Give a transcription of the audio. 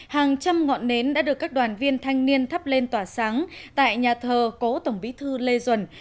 hàng trăm ngọn nến đã được các đoàn viên thanh niên thắp lên tỏa sáng tại nhà thờ cố tổng bí thư lê duẩn